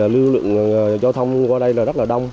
lưu lượng giao thông qua đây rất là đông